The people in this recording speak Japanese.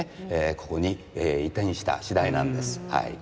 ここに移転した次第なんですはい。